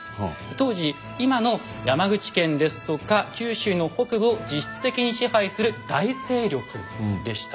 当時今の山口県ですとか九州の北部を実質的に支配する大勢力でした。